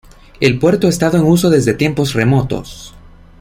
El puerto ha estado en uso desde tiempos remotos.